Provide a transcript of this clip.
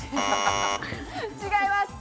違います。